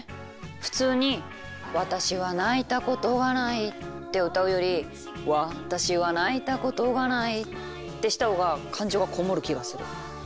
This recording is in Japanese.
普通に「私は泣いたことがない」って歌うより「私は泣いたことがない」ってしたほうが感情がこもる気がする。